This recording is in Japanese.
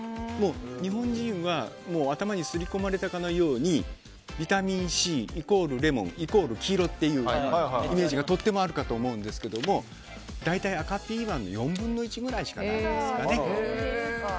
日本人は頭にすり込まれたかのようにビタミンＣイコール、レモンイコール黄色っていうイメージがとってもあるかと思うんですが大体、赤ピーマン４分の１ぐらいしかないですかね。